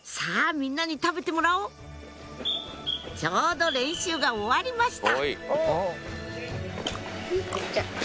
みんなに食べてもらおうちょうど練習が終わりました